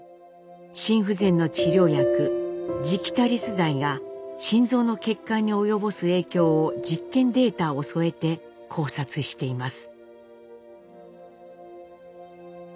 心不全の治療薬ジギタリス剤が心臓の血管に及ぼす影響を実験データを添えて考察しています。